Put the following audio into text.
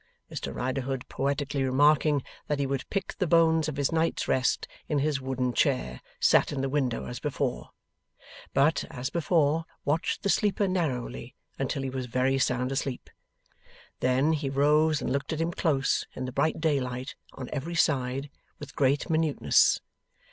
Mr Riderhood poetically remarking that he would pick the bones of his night's rest, in his wooden chair, sat in the window as before; but, as before, watched the sleeper narrowly until he was very sound asleep. Then, he rose and looked at him close, in the bright daylight, on every side, with great minuteness.